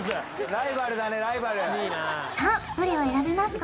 ライバルさあどれを選びますか？